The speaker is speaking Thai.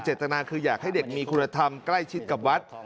เจตนาคืออยากให้เด็กมีคุณธรรมใกล้ชิดกับวัด